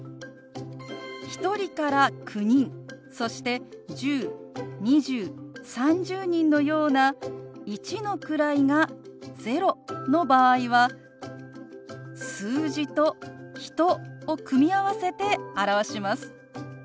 １人から９人そして１０２０３０人のような一の位が０の場合は「数字」と「人」を組み合わせて表します。